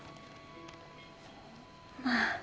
まあ。